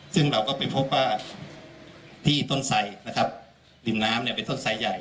ซึ่งเราก็ไปพบว่าที่ต้นไซด์นะครับดินน้ำเป็นต้นไซด์ใหญ่